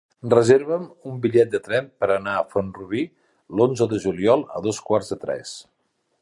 Reserva'm un bitllet de tren per anar a Font-rubí l'onze de juliol a dos quarts de tres.